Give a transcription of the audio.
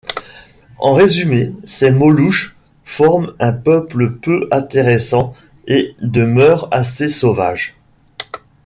En résumé, ces Molouches forment un peuple peu intéressant et de mœurs assez sauvages.